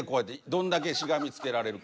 どんだけしがみつけられるか。